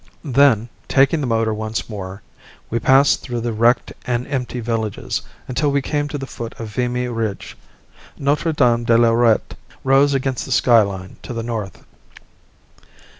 Then, taking the motor once more, we passed through wrecked and empty villages until we came to the foot of Vimy Ridge. Notre Dame de Lorette rose against the sky line to the north.